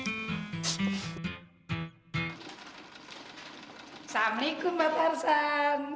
assalamu'alaikum mba tarsan